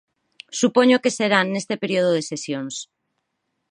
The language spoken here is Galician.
Supoño que será neste período de sesións.